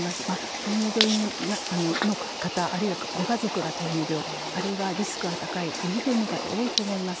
糖尿病の方、あるいはご家族が糖尿病、あるいはリスクが高い予備群の方多いと思います。